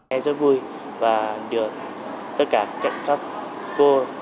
em rất vui và được tất cả các cô